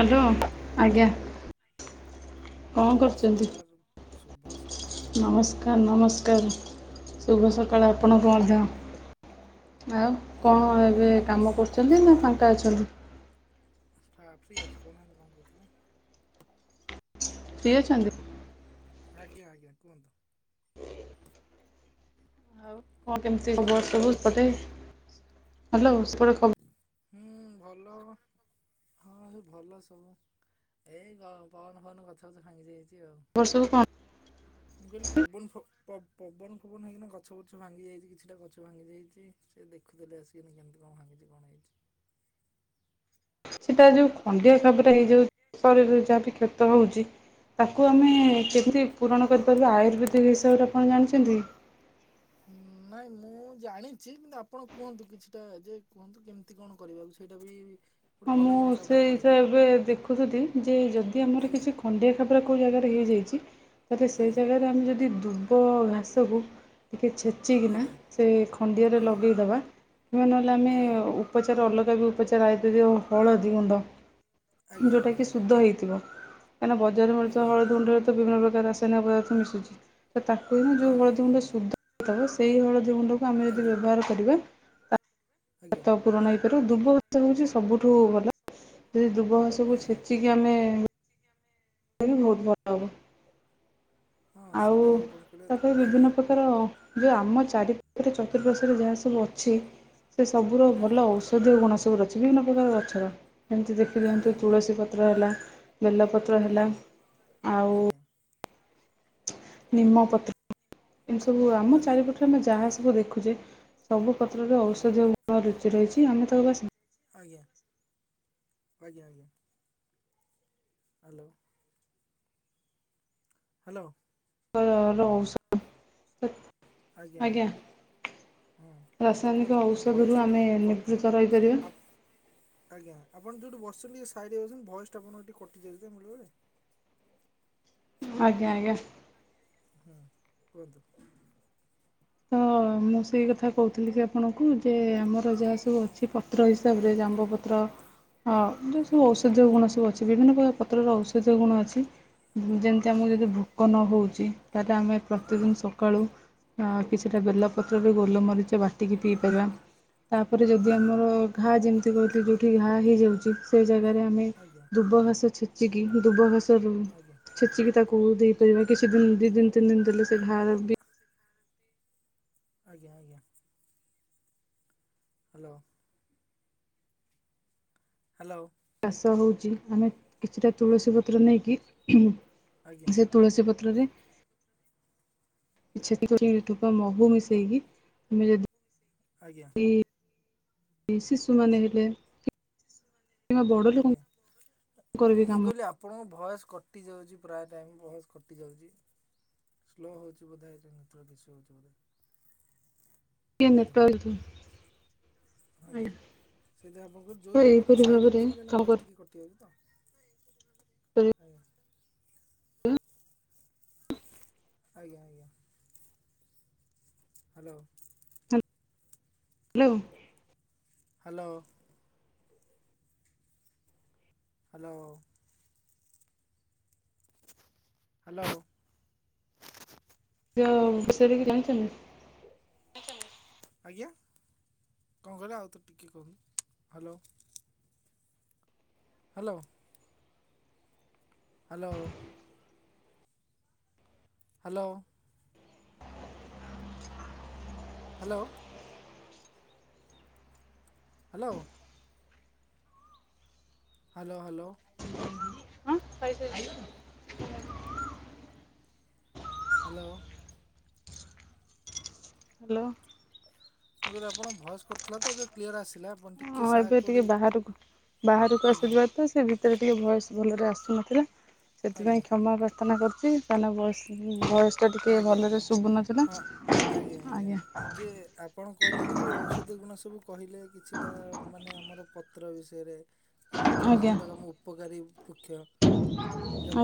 Hello, ଆଜ୍ଞା କଣ କରୁଛନ୍ତି? ନମସ୍କାର, ଶୁଭ ସକାଳ। ନମସ୍କାର, ନମସ୍କାର ଶୁଭ ସକାଳ ଆପଣଙ୍କୁ ମଧ୍ୟ। ଆଉ କଣ ଏବେ ହୁଁ କାମ ଆସିଲି କରୁଛନ୍ତି ନା ଫାଙ୍କା ଅଛନ୍ତି? ହା ଫ୍ରୀ ଅଛି କହୁନାହାନ୍ତି କଣ କହୁଥିଲେ। ଫ୍ରୀ ଅଛନ୍ତି? ଆଜ୍ଞା ଆଜ୍ଞା କୁହନ୍ତୁ। କଣ୍ କେମିତି ହବ ହ୍ୟାଲୋ ସବୁ ତାହାଲେ, ହାଲୋ [unintelligible] ହୁଁ ଭଲ। ହଁ ସବୁ ଭଲ ସବୁ, ଏଇ ପୱନ ଫବନ ଗଛ ବୁର୍ଚ୍ଛ ଭାଙ୍ଗିଯାଇଛି ଆଉ। ବର୍ଷକୁ କଣ? ମୁଁ କହିଲି, ପବନ ପବନ ଫବନ ହେଇକିନା ଗଛ ଫୁଛ ଭାଙ୍ଗି ଯାଇଛି କିଛିଟା ଗଛ ଭାଙ୍ଗି ଯାଇଛି। ସେ ଦେଖୁଥିଲେ ଆସିକିନା କେମିତି କଣ ଭାଙ୍ଗଛି କଣ ହେଇଛି? ସେଟା ଯୋଉ ଖଣ୍ଡିଆ ଖାବରେ ହେଇଯାଉଛି ଶରୀରରେ ଯାହା ବି କ୍ଷତ ହଉଛି ତାକୁ ଆମେ ଆଜ୍ଞା। କେମିତି ପୂରଣ କରିପାରିବା ଆୟୁର୍ବେଦିକ ହିସାବରେ ଆପଣ ଜାଣିଛନ୍ତି? ନାଇଁ ମୁଁ ଜାଣିଛି କିନ୍ତୁ ଆପଣ କୁହନ୍ତୁ କିଛିଟା ଯେ କୁହନ୍ତୁ, କେମିତି କେମିତି କଣ କରିବାକୁ ସେଇଟା ବି ଗୋଟେ ହଁ ଭଲ ମୁଁ ଜିନିଷ ଆପଣ ସେଇ କହିଲେ। ହିସରେ ଦେଖୁଥିଲି ଯେ ଯଦି ଆମର ଆଜ୍ଞା। କିଛି ଖଣ୍ଡିଆ ଖାବରା କୋଉ ଜାଗାରେ ହେଇଯାଇଛି ତାହେଲେ ସେ ଆଜ୍ଞା ଜାଗାରେ ଆମେ ଯଦି ଦୁବ ଘାସକୁୁ ଟିକେ ଛେ ଚିକିନା ଆଜ୍ଞା ସେ ଖଣ୍ଡିଆରେ ଆଜ୍ଞା। ଲଗେଇଦବା ସେ ନହଲେ ଆମେ ଉପଚାର ଅଲଗା ବି ଉପଚାର ଆଇରୁବେଦିକ୍ ହଳଦୀ ଗୁଣ୍ଡ ଆଜ୍ଞା ଯୋଉଟା ଆଜ୍ଞା କି ଆଜ୍ଞା ଶୁଦ୍ଧ ହେଇଥିବ। କାହିଁକିନା ବଜାରରେ ମିଳୁଥିବା ଆଜ୍ଞା ହଳଦୀ ଗୁଣ୍ଡ ବିଭିନ୍ନ ପ୍ରକାର ରାସାୟନିକ ପଦାର୍ଥ ମିଶୁଛି ତ ତାକୁ ହିଁ ଯୋଉ ଆଜ୍ଞା ଆଜ୍ଞା ଆଜ୍ଞା ହଳଦୀ ଆଜ୍ଞା। ମୁୁଣ୍ଡ ଶୁଦ୍ଧ ସେଇ ହଳଦୀ ଗୁଣ୍ଡକୁ ଆମେ ଯଦି ଆଜ୍ଞା। ବ୍ୟବହାର କରିବା ଆଜ୍ଞା ତାଷ ପୂରଣ ତେଣୁ ଦୁବ ଘାସ ହେଉଛି ସବୁଠୁ ଭଲ। ଯଦି ଦୁବ ଘାସକୁ ଆଜ୍ଞା ଛେଚିକି ଆମେ ଏ ବି ବୋହୁତ୍ ଭଲ ହବ। ହଁ ଆଉ ସେଇଟା ଯୋଉ ଆପଣ କହିଲେ ତାପରେ ଆଜ୍ଞା ବିଭିନ୍ନ ପ୍ରକାର ଯେଉଁ ଆମ ଚାରିପାଖରେ ଚତୁଃପାର୍ଶ୍ଵରେ ଯାହା ସବୁ ଅ ଛି। ସେ ସବୁର ଆଜ୍ଞା। ଭଲ ଔଷଧ ଗୁଣ ସବୁ ଅଛି ବିଭିନ୍ନ ପ୍ରକାର ଗଛର। ଏମିତି ଆଜ୍ଞା ଦେଖିଦିଅନ୍ତୁ ଆଜ୍ଞା ତୁଳସୀ ପତ୍ର ହେଲା, ବେଲପତ୍ର ହେଲା, ଆଜ୍ଞା ଆଉ ଆଜ୍ଞା। ନିମପତ୍ର ଏମତି ସବୁ ଆମ ଆଜ୍ଞା ଚାରିପଟରେ ଆମେ ଯାହା ସବୁ ଦେଖୁଛେ ସବୁ ପତ୍ରରେ ଆଜ୍ଞା ଔଷଧ ଗୁଣ ଲୁଚି ରହିଛି ଆମେ ତାକୁ ବାସେ ଆଜ୍ଞା। ଆଜ୍ଞା ଆଜ୍ଞା। ହାଲୋ। ହାଲୋ। ଅ ରହୁ [unintelligible] ଆଜ୍ଞା ଆଜ୍ଞା। ହଁ କୁହନ୍ତୁ, ରାସାୟନିକ କୁହନ୍ତୁ, ଆପଣ ଔଷଧରୁ ଭଏସ୍ ଟା ଆମେ ଟିକେ କ ନିବୃତ୍ତ ରହିପାରିବା ଆଜ୍ଞା, ଆପଣ ଯୋଉଠି ବସିଛନ୍ତି ସାଇଟି ଅଛନ୍ତି ଭଏସ୍ ଟା ଆପଣଙ୍କ ଟିକେ କଟିଯାଇଛି ବେଳେ ବେଳେ। ଆଜ୍ଞା ଆଜ୍ଞା। ହୁଁ, କୁହନ୍ତୁ? ହଁ। ମୁଁ ସେଇ କଥା କହୁଥିଲି କି ଆପଣଙ୍କୁ, ଯେ ଆମର ଯାହା ସବୁ ଅଛି ପତ୍ର ହିସାବରେ, ଜାମ୍ବପତ୍ର ହଁ। ଯେଉଁ ସବୁ ଆଜ୍ଞା। ଔଷଧୀୟ ଗୁଣ ସବୁ ଅଛି। ବିଭିନ୍ନ ପ୍ରକାର ପତ୍ରର ଔଷଧୀୟ ଗୁଣ ଅଛି ଯେମିତି ଆମକୁ ଆଜ୍ଞା। ଯଦି କନ ହେଉଛି, ତାହେଲେ ଆମେ ଆଜ୍ଞା ପ୍ରତିଦିନ୍ ସକାଳୁ କି ସେଇଟା ବେଲପତ୍ରରେ ଗୋଲମରିଚ ବାଟିକି ପିଇପାରିବା। ତାପରେ ଯଦି ଆଜ୍ଞା। ଆମର ଘା ଯେମିତି କହୁଥିଲ ଯେଉଁଠି ଘା ହେଇଯାଉଛି ସେଇ ଜାଗାରେ ଆମେ, ଆଜ୍ଞା। ଦୁବ ଘାସ ଛେଚିକି, ଦୁବ ଘାସ ରୁ ଆଜ୍ଞା ଛେଚିକି ତାକୁ ଦେଇପାରିବା କିଛି ଦିନ ଦି ଦିନ ତିନି ଦିନ ଦେଲେ ସେ ଘାଆ ବି ଆଜ୍ଞା ଆଜ୍ଞା। ହାଲୋ। ହାଲୋ। କାଶ ହେଉଛି ଆମେ କିଛିଟା ତୁଳସୀ ପତ୍ର ନେଇକି ଆଜ୍ଞା। ସେ ତୁଳସୀ ପତ୍ରରେ, ଛେଚି କିମ୍ବା ମହୁ ମିଶେଇକି ମୁଁ ଯଦି ଆଜ୍ଞା। ଏହି ଶିଶୁମାନେ ହେଲେ। କିମ୍ବା ବଡ଼ ଆଜ୍ଞା ଲୋକଙ୍କର ବି ମୁଁ କାମ କହିଲି ଆ ଆପଣଙ୍କ ଭଏସ୍ କଟିଯାଉଛି ପ୍ରାୟ ଟାଇମ୍ ଭଏସ୍ କଟିଯାଉଛି। ସ୍ଲୋ ହୋଉଛି ବୋଧେ ନେଟୱାର୍କ ଇସୁ ହୋଉଥିବ। ନ ଟ। [unintelligible] ଆଜ୍ଞା ସେଇଥିରେ ଆପଣଙ୍କର ଯୋଉ ତ ଜାଗା ହୋଉଚି ଏହିପରି ସାଇଡ୍ ହେଇକି ଟିକେ ଭାବରେ ବସନ୍ତୁ କାହିଁକି ନା କାମ ଭଏସ୍ ଟିକେ କଟି ଟିଆ କରିପାରିବେ ତ ଆଜ୍ଞା। ଆଜ୍ଞା ଆଜ୍ଞା। Hello. Hello. Hello. Hello. Hello. ଯ ବିଷରିକି ଜାଣିଛନ୍ତି। [unintelligible] ଆଜ୍ଞା କଣ କହିଲେ ଆଉ ଥରେ ଟିକେ କହନ୍ତୁ hello. Hello. Hello. Hello. Hello. Hello. Hello hello. ହଁ କହିାଇସ ଯାଇ। [unintelligible] ହ୍ୟାଲୋ। ହ୍ୟାଲୋ। ମୁଁ କହିଲି ଆପଣଙ୍କ ଭଏସ୍ କଟିଥିଲା ଏଵେ କ୍ଲିୟର ଆସିଲା ଆପଣ ଟିକେ ହଁ ସାହା ଏବେ ଟିକେ କୋଉଠି ବାହାରକୁ ବାହାରକୁ ଆଜ୍ଞା ଆସିଲି ଭାରିତ ସେ ଭିତ ଭିତରେ ଭଏସ୍ ଟିକିଏ ଭଲରେ ଆସୁନଥିଲା ଆଜ୍ଞା ସେଥିପାଇଁ କ୍ଷମା ପ୍ରାର୍ଥନା କରୁଛି। Voice voice voice. ଆଜ୍ଞା ଆଜ୍ଞା ହଁ ଆଜ୍ଞା ଆଜ୍ଞା ଯେ ଆପଣ କହିଲେ କି ଯେଉଁ ଔଷଧ ଗୁଣ ସବୁ କହିଲେ କିଛିଟା ମାନେ ଆମର ପତ୍ର ବିଷୟରେ କି ବୃକ୍ଷ ବିଷୟରେ ଆଜ୍ଞା ଯୋଉଟାକୁ ଆମ ଉପକାରୀ। ବୃକ୍ଷ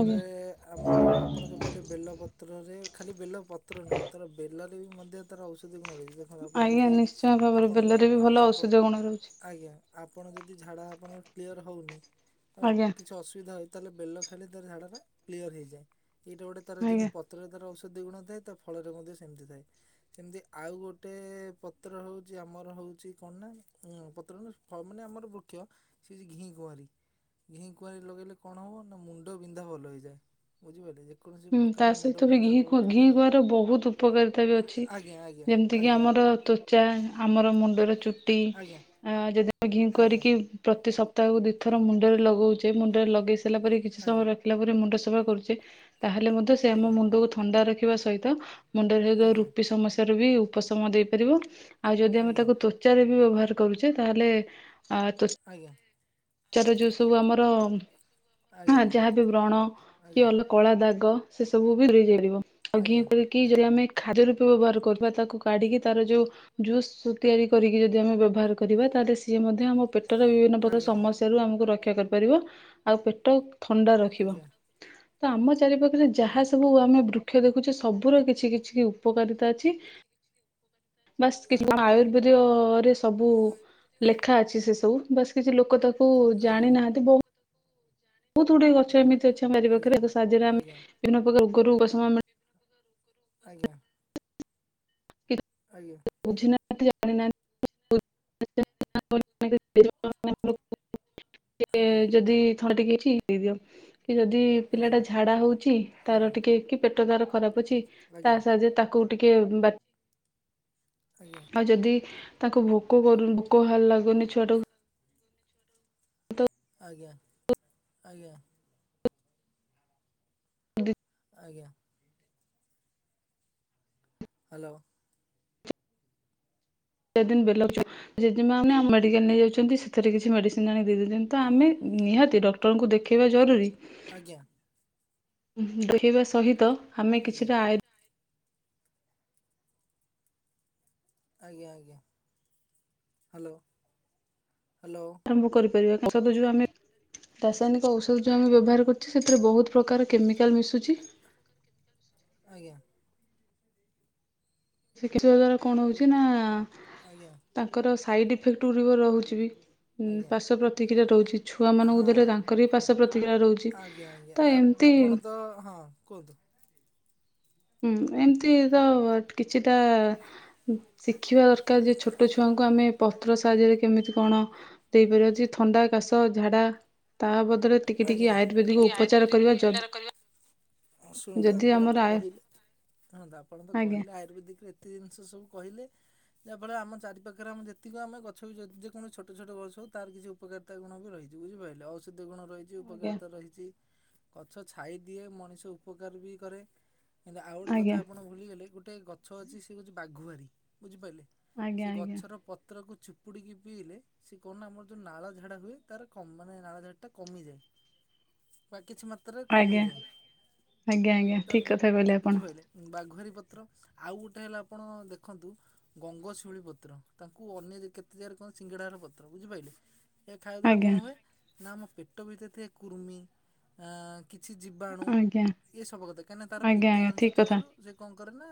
ଆଜ୍ଞା ଆମର ଆପଣ ଯେଉଁ କହିଲେ ବେଲପତ୍ରରେ ଖାଲି ବେଲ ପତ୍ର ନୁହଁ ତାର ବେଲରେ ବି ମଧ୍ୟ ତାର ଔଷଧିୟ ଗୁଣ ରହିଛି। ଦେଖନ୍ତୁ ଆପଣ ଆଜ୍ଞା ଯଦି ନିଶ୍ଚୟ ଭାବରେ ଆପଣଙ୍କ ବେଲରେ ବି ଭଲ ଆପଣ ଔଷଧୀୟ ଗୁଣ ରହୁଛି ଆଜ୍ଞା ଆପଣ ଯଦି ଝାଡ଼ା ଆପଣଙ୍କ କ୍ଲିଅର ହେଉନି ଆ ଆଜ୍ଞା କିଛି ଅସୁବିଧା। ତାହାଲେ ବେଲ ଖାଇଲେ ତ ଝାଡା କ୍ଲିୟର୍ ହେଇଯାଏ ଏଇଟା ଗୋଟେ ତାର ଆଜ୍ଞା। ଯେମିତି ପତ୍ର ତାର ଔଷଧିୟ ଔଷଧି ଗୁଣ ଥାଏ ଫଳରେ ମଧ୍ୟ ସେମିତି ଥାଏ। ସେମିତି ଆଉ ଗୋଟେ ପତ୍ର ହେଉଛି ଆମର ହଉଛି କଣ ନା ପତ୍ର ନା। ହଁ ମାନେ ଆମର ବୃକ୍ଷ ସେ ଘି କୁଆଁରୀ। ଘିଁ କୁଆଁରି ଲଗେଇଲେ କଣ ହେବ ନା ମୁଣ୍ଡ ବିନ୍ଧା ଭଲ ହେଇଯାଏ। ବୁଝିପାରିଲେ ଯେକୌଣସି ପ୍ରକାର ମୁଣ୍ଡ ବିିନ୍ଧା ହଉ। କି ଘିଁ ଯାହା ହଉ କୁଆଁରି ର ବୋହୁତ ଉପକାରିତା ବି ଅଛି ଆଜ୍ଞା ଆଜ୍ଞା ଯେମିତି କି ଆଜ୍ଞା। ଆମର ତ୍ଵଚା ଆମର ମୁଣ୍ଡରେ ଚୁଟି ଆଜ୍ଞା ଆ ଯଦି ଆମ ଘି ଆଜ୍ଞା। କୁଆଁରିକି। ଆଜ୍ଞା। ପ୍ରତି ସପ୍ତାହକୁ ଦିଇଥର ମୁଣ୍ଡରେ ଲଗଉଛେ ମୁଣ୍ଡରେ ଲଗେଇ ସାରିଲା ପରେ କିଛି ଆଜ୍ଞା। ସମୟ ଲ ଲଗେଇଲା ପରେ ମୁଣ୍ଡ ସଫା କରୁଛେ ତାହେଲେ ମଧ୍ୟ ସେ ଆମ ଆଜ୍ଞା। ଆଜ୍ଞା। ମୁଣ୍ଡକୁ ଥଣ୍ଡା ରଖିବା ସହିତ ମୁଣ୍ଡରେ ହେଦ ଆଜ୍ଞା। ରୁପି ସମସ୍ୟ ର ବି ଉପଶମ ଦେଇପାରିବ, ଆଉ ଯଦି ଆମେ ଆଜ୍ଞା ତାକୁ ତ୍ୱଚାରେ ବି ବ୍ୟବହାର। କହୁଛେ ତାହେଲେ, ଆ। [unintelligible] ଆଜ୍ଞା। ଚାର ଯୋଉ ସବୁ ଆମର, ଆଁ ଆଜ୍ଞା। ଯାହାବି ବ୍ରଣ ଆଜ୍ଞା କି ଅଲ କଳା ଦାଗ। ସେ ସବୁ ବି [unintelligible] ଆଉ ଘିଅ କରି କି ଯରି ଆମେ ଖାଦ୍ୟ ରୂପେ ବ୍ୟବହାର କରିବା, ତାକୁ କାଢ଼ିକି ତାର ଯେଉଁ ଜୁସ୍ ତିଆରି କରିକି ଯଦି ଆମେ ବ୍ୟବହାର କରିବା, ତାହେଲେ ସିଏ ମଧ୍ୟ ଆମ ପେଟର ବିଭିନ୍ନ ପ୍ରକାର ଆଜ୍ଞା। ସମସ୍ୟ ରୁ ଆମକୁ ରକ୍ଷା କରିପାରିବ, ଆଉ ପେଟ ଥଣ୍ଡା ରଖିବ, ଆଜ୍ଞା। ତ ଆମ ଚାରିପାଖରେ ଆଜ୍ଞା। ଯାହା ସବୁ ଆମେ ବୃ କ୍ଷ୍ୟ ଦେଖୁଛେ, ସବୁର କିଛି କିଛି କି ଉପକାରିତା ଅଛି। ବାସ୍ କିଛି ଆଜ୍ଞା। କଣ ଆୟୁର୍ବେଦ୍ୟରେ ସବୁ ଲେଖା ଅଛି ସେ ସବୁ, ବାସ୍ କିଛି ଲୋକ ତାକୁ ଆଜ୍ଞା। ଜାଣି ନାହାନ୍ତି ବହୁତ ବହୁତ ଗୁଡିଏ ଗଛ ଆଜ୍ଞା ଏମିତି ଅଛି ଆମ ବାରି ଆଜ୍ଞା ପାଖରେ ଆଜ୍ଞା। ଏବେ ସାହାଯ୍ୟରେ ଆମେ ବିଭିନ୍ନ ପ୍ରକାର ରୋଗ ରୁ ଉପସମ ମି ଆଜ୍ଞା। ଆଜ୍ଞା। ବୁଝି ନାହାନ୍ତି ଯାଣିି ନାହାନ୍ତି। [unintelligible] [unintelligible] ଏ ଆଜ୍ଞା। ଯଦି ଥରେ ଟିକେ ଅଛି। ଦେଇଦିଅ, କି ଯଦି ପିଲା ଟା ଝାଡା ହଉଛି ତାର ଟିକେ କି ପେଟ ତାର ଖରାପ ଅଛି ତା ସାହାଯ୍ୟ ତାକୁ ଟିକେ ବା ଆଜ୍ଞା। ଆଉ ଯଦି ତାକୁ ଭୋକ କରୁ ଭୋକ ଭହାର ଲାଗୁନି ଛୁଆଟାକୁ ଆଜ୍ଞା, ଆଜ୍ଞା। ହ ଆଜ୍ଞା। ହ୍ୟାଲୋ। ତେଦିନ [unintelligible] ମେଡ଼ିକାଲ ନେଇଯାଉଛନ୍ତି, ସେଥିରେ କିଛି ମେଡ଼ିସିନ ଆଣି ଦେଇ ଦେଉଛନ୍ତି, ତ ଆମେ ନିହାତି ଡକ୍ଟରଙ୍କୁ ଦେଖେଇବା ଜରୁରୀ। ଆଜ୍ଞା। ଦେଖବା ସହିତ ଆମେ ଆଜ୍ଞା କିଛିଟା ଆୟ ଆଜ୍ଞା ଆଜ୍ଞା, ହ୍ୟାଲୋ, ହ୍ୟାଲୋ। ତମୁ କରିପାରିବା, ଔଷଧ ଯୋଉ ଆମେ ରାସାୟନିକ ଔଷଧ ଯୋଉ ଆମେ ବ୍ୟବହାର କରୁଛୁ ସେଥିରେ ବହୁତ ପ୍ରକାର କେମିକାଲ ମିଶୁଛି। ଆଜ୍ଞା। [unintelligible] କଣ ହଉଛି ନା ଆଜ୍ଞା। ତାଙ୍କର ସାଇଡ଼୍ ଇଫେକ୍ଟ ଗୁଡ଼ିକ ରହୁଛି ବି ଆଜ୍ଞା। ପାସ ପ୍ରତିକ୍ରିୟା ରହୁଛି ହଁ। ଛୁଆମାନଙ୍କୁ ଦେଲେ ତାଙ୍କର ବି ପାସ ପ୍ରତିକ୍ରିୟା ରହୁଛି, ଆଜ୍ଞା ଆଜ୍ଞା ତ ଏମ୍ ଆପଣ ତ, ହଁ କୁହନ୍ତୁ? ହୁଁ ଏମିତି ତ କିଛିଟା ଶିଖିବା ଦରକାର, ଯେ ଛୋଟ ଛୁଆଙ୍କୁ ଆମେ ପତ୍ର ସାହାଯ୍ୟରେ କେମିତି କଣ ଦେଇପାରିବା, ଯେ ଥଣ୍ଡା, କାଶ, ଝାଡ଼ା ତା ବଦରେ ଟିକେ ଟିକେ ଆଜ୍ଞା। ଆୟୁର୍ବେଦିକ ଉପଚାର କରିବା, ଯଦ୍ ହଁ ଶୁଣନ୍ତୁ ଆପଣ ତ କହିଲେ, ଶୁଣନ୍ତୁ ଆପଣ ତ ଆଜ୍ଞା କହିଲେ ଆୟୁର୍ବେଦିକ ରେ ଏତେ ଜିନିଷ ସବୁ କହିଲେ। ଯାହାଫଳେ ଆମ ଚାରିଖରେ ଆମ ଯେତିକି ଆମେ ଗଛ ବି ଯଦି ଯେକୌଣସି ଛୋଟ ଛୋଟ ଗଛ ହଉ ତାର କିଛି ଉପକାରତା ଗୁଣ ବି ରହିଛି ବୁଝିପାଇଲ, ଔଷଧ ଗୁଣ ରହି ଆଜ୍ଞା। ଉପକାରିତା ରହିଛି ଗଛ ଛାଇ ଦିଏ ମଣିଷ ଉପକାର ବି କରେ କିନ୍ତୁ ଆଉ ଗୋଟେ କଥା ଆଜ୍ଞା ଆପଣ ଭୁଲିଗଲେ ଗୋଟେ ଗଛ ଅଛି ସେ ହଉଛି ବାଘୁଆାରୀ ବୁଝିପାରିଲେ ଆଜ୍ଞା ଆଜ୍ଞା ସେ ଗଛର ପତ୍ରକୁ ଚୁପ ଉପୁଡ଼ିକିଇଲେ ସେ କଣ ନା ଆମର ଯେଉଁ ନାଳ ଝାଡ଼ା ହୁଏ ତର କ ମାନେ ନାଳ ଝାଟାମିଯାଏ ବା କିଛିଛୁ ମା୍ର ଆଜ୍ଞା ଆଜ୍ଞା ଆଜ୍ଞା ଠିକ କଥା କହିଲେ ଆପଣ ବାଘୁଆରି ପତ୍ର ଆଉ ଗୋଟେ ହେଲା ଆପଣ ଦେଖନ୍ତୁ ଗଙ୍ଗଶିଉଳି ପତ୍ର ତାକୁ ଅନ୍ୟ କେତେ ଜାଗାରେ କଣନ୍ତି ସିଙ୍ଗଡ଼ାର ପତ୍ର ବୁଝିପାରିଲେ ଏ ଖାଇବା ଦ୍ୱାରା ଆଜ୍ଞା କଣ ହୁଏ ନା ଆମ ପେଟ ଭିତରେ ଥାଏ କୁର୍ମି କିଛି ଜୀିବାଣୁ ଆଜ୍ଞା ଏସବୁ କଥା କାହିଁକିନା ତାର ଆଜ୍ଞା ପିତା ଆଜ୍ଞା ଅଂଶ ଠିକ୍ କଥା। ଥିବାରୁ ସେ କଣ କରେ ନା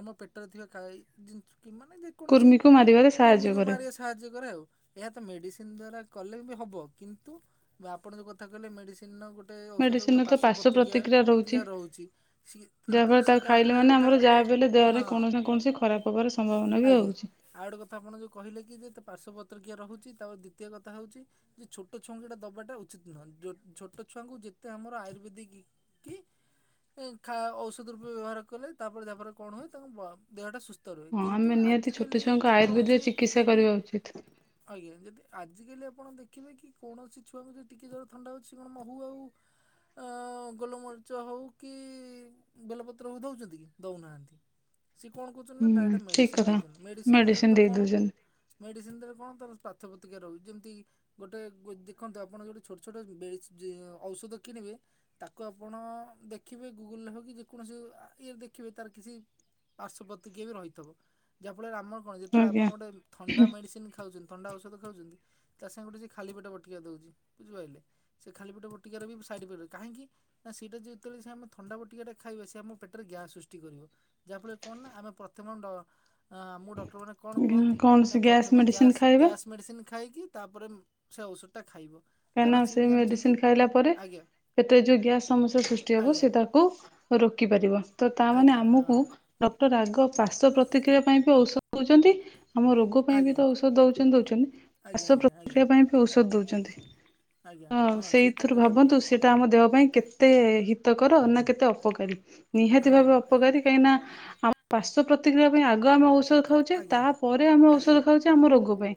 ଆମ ପେଟରେ ଥିବା ଖାଈ ଜିନିଷ କି ମାନେ ଯେ କୌଣସି କୁର୍ମିକୁ ମାରିବାରେ କୁର୍ମୀ ସାହାଯ୍ୟ କୁ କରେ ମାରି ଆସି ସାହାଯ୍ୟ କରେ ଆଉ ଏହା ତ ମେଡିସିନ ଦ୍ଵାରା କଲେ ବି ହବ କିନ୍ତୁ ବା ଆପଣ ଯେଉଁ କଥା କହିଲେ ମେଡ଼ିସିନର ଗୋଟେ ଔଷଧ ଗୋଟେ ମେଡ଼ିସିନରେ ତ ପାର୍ଶ୍ଵ ପାର୍ଶ୍ଵପତ୍ରିକା ପ୍ରତିକ୍ରିୟା ପ୍ରତିକାର ରହୁଛି ସେ କିନ୍ତୁ ଯାହାଫଳରେ ତାକୁ ସେଇଟା ଖାଇଲେ ଆପଣଙ୍କ ମାନେ କଥା ଆମର ଯାହା କହିଲେ ବି ହେଲେ ଦେହରେ ହଁ। କୌଣସି ନା କୌଣସି ଖରାପ ହବାର ସମ୍ଭାବନା ବି ଆଜ୍ଞା ହଉଛି ଆଉ ଗୋଟେ କଥା ଆପଣ ଯେଉଁ କହିଲେ ନ୍ଦେ ପାର୍ଶ୍ଵ ପତ୍ର କିଏ ରହୁଛି ତାପରେ ଦ୍ୱିତିୟ କଥା ହଉଛି ଯେ ଛୋଟ ଛୁଆଙ୍କୁ ଏଟା ଦେବାଟା ଉଚିତ ନୁହେଁ ଛୋଟ ଛୁଆଙ୍କୁ ଯେତେ ଆମର ଆୟୁର୍ବେଦିକ କି ଖା ଔଷଧ ରୂପେ ବ୍ୟବହାର କଲେ ତାପରେ ତାପରେ କଣ ହୁଏ ତାଙ୍କ ଦେହଟା ସୁସ୍ଥ ରୁୁ ହେ ହଁ କିନ୍ତୁ ଆମେ ନିହାତି ଛୋଟ ଆଜିିକାଲି ଛୁଆଙ୍କୁ ଆୟୁର୍ବେଦିକ ଯେକୌଣସି ଚିକିତ୍ସା କରିବା ଶୁଣନ୍ତୁ ଉଚିତ ଆଜ୍ଞା ଯଦି ଆଜିକାଲି ଆପଣ ଦେଖିବେ କି କୌଣସି ଛୁଆ କୁ ଟିକେ ଜର ଥଣ୍ଡା ହଉଛି ସେ କଣ ମହୁ ଆଉ ଆ ଗୋଲମ ଖର୍ଚ ହଉ କି ବେଲପତ୍ର ହଉ ଦଉଛନ୍ତି କି ଦଉନାହାନ୍ତି। ସିଏ କଣ କହୁଛନ୍ତି ନା ହୁଁ ଡାଇରେକ୍ଟ ଠିକ ମେଡିସିନ କଥା। ଦଛନ୍ତି ମେଡିସିନ ରେ ତ ଦେଇ କଣ? ଦଉଛନ୍ତି ମେଡିସିନରେ କଣ ତାର ପାର୍ଥ୍ୟ ପ୍ରତି୍ରକା ରହୁଛି ଯେମିତି ଗୋଟେ ଦେଖନ୍ତୁ ଆପଣ ଯୋଉଟି ଛୋଟ ଛୋଟ ଔଷଧ କିଣିବେ ତାକୁ ଆପଣ ଦେଖିବେ ଗୁଗୁଲରେ ହେ କି ଯେକୌଣସି ଇଏ ଦେଖିବେ ତାର କିଛି ପାର୍ଶ୍ଵପତି କିିଏ ବି ରହିଥିବ ଯାହାଫଳରେ ଆମର କଣ ଯେତେବେଳେ ଆଜ୍ଞା ଆପଣ ଗୋଟେ ଥଣ୍ଡା ମେଡିସିନ ଖାଉଛନ୍ତି ଥଣ୍ଡା ଔଷଧ ଖାଉଛନ୍ତି ତା ସାଙ୍ଗେ ସେ ଖାଲି ପେଟ ବଟିକା ଦଉଛି ବୁଝିପାଇଲେ? ସେ ଖାଲି ପେଟ ବଟିକା ରେ ବି ସାଇଡ ଇଫେକ୍ଟ କାହିଁକି? ନା ସେଇଟା ଯେତେବେଳେ ସେ ଆମେ ଥଣ୍ଡା ବଟିକାଟା ଖାଇବା ସେ ଆମ ପେଟରେ ଗ୍ୟାସ୍ ସୃଷ୍ଟି କରିବ। ଯାହା ଫଳରେ କଣ ନା ଆମେ ପ୍ରଥମ ଡ ଆମକୁ ଡକ୍ଟରମାନେ କଣ କୁହନ୍ତି କୌଣସି ନା ଗ୍ୟାସ୍ ପ୍ରଥମେ ମେଡିସିନ ଗ୍ୟାସ ଖାଇବା ଗ୍ୟାସ୍ ମେଡ଼ିସନ୍ ଖାଇକି ତାପରେ ସେ ଔଷଧ ଟା ଖାଇବ। କାହିଁକି କାରଣ ନା ସିଏ ସେ ବି ଜାଣିଛନ୍ତି ମେଡିସିନ ଖାଇଲା ପରେ ଆଜ୍ଞା ପେଟରେ ଯୋଉ ଗ୍ୟାସ ସମସ୍ୟା ସୃଷ୍ଟି ହବ ଆଜ୍ଞା। ସେ ତାକୁ ରୋକି ପାରିବ ତ ତାମାନେ ଆଜ୍ଞା ଆମକୁ ହଁ। ଡକ୍ଟର ରାଗ ପାାର୍ଶ ପ୍ରତିକ୍ରିୟା ପାଇଁ ବି ଔଷଧ ଦଉଛନ୍ତି। ଆମ ରୋଗ ପାଇଁ ବି ଆଜ୍ଞା। ତ ଔଷଧ ଦଉଛନ୍ତି ଦଉଛନ୍ତି। ଆଜ୍ଞା ଆଜ୍ଞା ସେ ପାଇଁ ବି ଔଷଧ ଦଉଛନ୍ତି ଆଜ୍ଞା ତ ହଁ ସେଇ ତ ସେଇଥିରୁ କହିଲେ ଆପଣ ଭାବନ୍ତୁ ହଁ। ସେଇଟା ଆମ ଦେହ ପାଇଁ କେ ତେ ଏ- ହିତକର ନା କେତେ ଅପକାରୀ ନିହାତି ଭାବେ ଆଜ୍ଞା ଅପକାରୀ। କାହିଁକି ନା ଆମ ବାଶଵ ପ୍ରତିକ୍ରିୟା ପାଇଁ ଆଗ ଆମେ ଔଷଧ ଆଜ୍ଞା। ଖାଉଛେ ଆଜ୍ଞା ତାପରେ ଆମେ ଆଜ୍ଞା ଔଷଧ ଖାଉଛେ। ଆମ ରୋଗ ପାଇଁ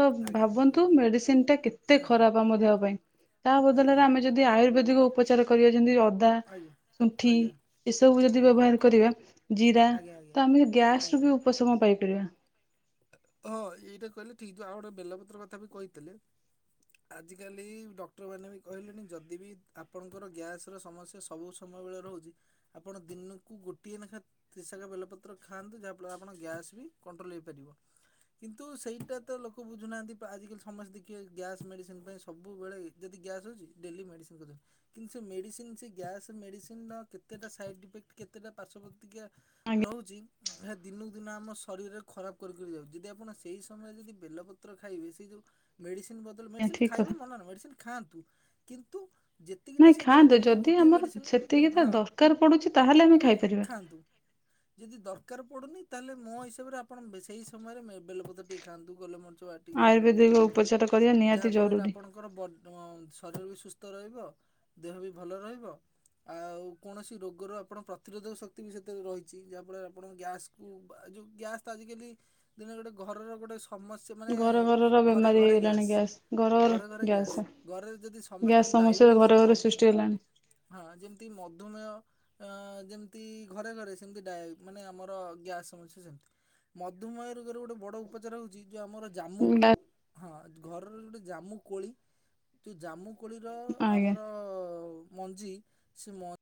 ତ ଆଜ୍ଞା। ଭାବନ୍ତୁ ମେଡିସିନ ଟା କେତେ ଖ ଖରାପ ଆମ ଦେହ ପାଇଁ ତା ବଦଳରେ ଆଜ୍ଞା। ଆମେ ଯଦି ଆୟୁର୍ବେଦିକ ଉପଚାର କରିବା ଯେମିତି ଅଦା ଆଜ୍ଞା ଶୁଣ୍ଠି ଆଜ୍ଞା। ଏସବୁ ଯଦି ଆଜ୍ଞା ବ୍ୟବହାର କରିବା ଜିରା। ଆଜ୍ଞା ଆଜ୍ଞା ତ ଆମେ ଗ୍ୟାସ ରୁ ଆଜ୍ଞା। ବି ଉପଶମ ପାଇପାରିବା। ହଁ ଏଇଟା କହିଲେ ଠିକ ଆଉ ଗୋଟେ ବେଲପତ୍ର କଥା ବି କହିଥିଲେ। ଆଜିକାଲି ଡକ୍ଟରମାନେ ବି କହିଲେଣି ଯଦି ବି ଆପଣଙ୍କର ଗ୍ୟାସ ର ସମସ୍ୟା ସବୁ ସମୟ ବେଳେ ରହୁଛି ଆପଣ ଦିନକୁ ଗୋଟିଏ ନାଖା ୍ରିଶା ବେଲପତ୍ର ଖାଆନ୍ତୁ ଯାହାଫଳରେ ଆପଣ ଗ୍ୟାସ୍ ବି କଣ୍ଟ୍ରୋଲ ହୋଇଇପାରିବ। କିନ୍ତୁ ସେଇଟା ତ ଲୋକ ବୁଝୁନାହାନ୍ତି ଆଜିକାଲି ସମସ୍ତେ ଦେଖିବେ ଗ୍ୟାସ ମେଡିସିନ ପାଇଁ ସବୁବେଳେ ଯଦି ଗ୍ୟାସ୍ ହଉଛି ଡେଲି ମେଡିସିନ କରି କିନ୍ତୁ, ସେ ମେଡିସିନ ସେ ଗ୍ୟାସ ମେଡିସିନ ର କେତେଟା ସାଇଡ ଇଫେକ୍ଟ କେତେଟ ପାର୍ଶ୍ୱବତତିୀ ରହୁଛି ଏହା ଦିନକୁ ଦିନ ଆମ ଶରୀରରେ ଖରାପ ଉ ଯଦି ଆପଣ ସେଇ ସମୟରେ ଯଦି ବେଲପତ୍ର ଖାଇବେ ସେଇ ଯୋଉ ମେଡ଼ିସିନ ବଦଲ ଆଜ୍ଞା ମେଡ଼ିସିନ ଠିକ ଖାଇବେ କଥା। ମନା ନାହିଁ ମେଡ଼ିସିନ ଖାଆନ୍ତୁ କିନ୍ତୁ ଯେତିକିଟା ନାଇଁ ସିଏ ଧର ଖାଆନ୍ତୁ ଦିନକୁ ଯଦି ଗୋଟିଏ ଆମର ମେଡ଼ିସିନ ସେତିକି ତା ହଁ ଦରକାର ପଡୁଛି ତାହେଲେ ଆମେ ଖାଇପାରିବା। ଖାଆନ୍ତୁ। ଯଦି ଦରକାର ପଡ଼ୁନି ତାହେଲେ ମୋ ହିସାବରେ ଆପଣ ସେହି ସମୟରେ ବେଲପତ ଟିକେ ଖାଆନ୍ତୁ। ଗହଲେ ମ ିଳତ ଆୟୁର୍ବେଦିକ ପିଅନ୍ତୁ ଉପଚାର କରିବା ନିହାତି ଯାହା ଫଳରେ ଜରୁରୀ। ଆପଣ ତାଙ୍କର ଶରୀର ବି ସୁସ୍ଥ ରହିବ, ଦେହ ବି ଭଲ ରହିବ। ଆଉ କୌଣସି ରୋଗର ଆପଣ ପ୍ରତିରୋଧକ ଶକ୍ତି ବି ସେତକ ରହିଛି। ଯାହାଫଳରେ ଆପଣ ଗ୍ୟାସ୍ ଉ ବା ଯଉ ଗ୍ୟାସ୍ ତ ଆଜିକାଲି ଦିନରେ ଗୋଟେ ଘରର ଗୋଟେ ସମସ୍ୟା ତୁ ମାନେ ଘର ଘରର ଘରେ ବେମାରୀ ଘରେ ହେଇଗଲାଣି ଗ୍ୟାସ୍, ଘର ଘର ଘରେ ଘରେ ଗ୍ୟାସ୍ ଘରର ଯଦି ସମସ୍ତେ ଗ୍ୟାସ୍ ସମସ୍ୟା ଡାଇବେଟିସ୍ ଯେମିତି ଘରେ ଘରେ ସୃଷ୍ଟି ମଧୁମେହ। ହେଲାଣି ଘରେ ଘରେ ସୃଷ୍ଟି ହୋଇଥାଏ। ହଁ ଯେମିତି ମଧୁମେହ ହ୍ ର ଯେମିତି ଘରେ ଘରେ ସେମିତି ଡାଏ ମାନେ ଆମର ଗ୍ୟାସ୍ ସମସ୍ୟା ସେମିତି। ମଧୁମେହ ରୋଗର ଗୋଟେ ବଡ଼ ଉପଚାର ହଉଛି ଯୋଉ ଆମର ଜାମୁଖ ହଁ ଘରର ଗୋଟେ ଜାମୁ କୋଳି ଯୋଉ ଜାମୁ କୋଳିର ଆଜ୍ଞା। ଆମର ମଞ୍ଜି ସେ ମଞ୍ଜି